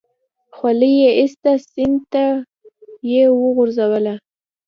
خولۍ يې ايسته سيند ته يې وگوزوله.